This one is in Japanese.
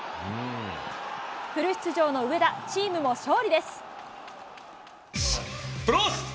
フル出場の上田、チームも勝利です。